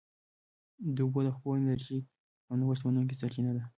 د اوبو د څپو انرژي هم نوښت منونکې سرچینه ده.